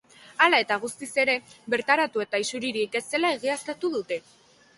Hala eta guztiz ere, bertaratu eta isuririk ez zela egiaztatu dute.